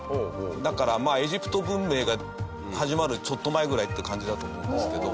だから、エジプト文明が始まるちょっと前ぐらいっていう感じだと思うんですけど。